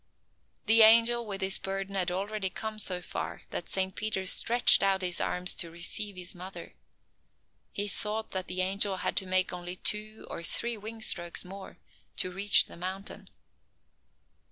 The angel with his burden had already come so far that Saint Peter stretched out his arms to receive his mother. He thought that the angel had to make only two or three wing strokes more to reach the mountain.